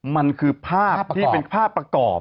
มันคือภาพที่เป็นภาพประกอบ